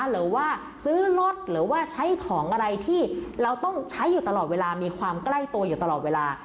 หรือว่าซื้อรถหรือว่าใช้ของอะไรที่เราต้องใช้อยู่ตลอดเวลามีความใกล้ตัวอยู่ตลอดเวลา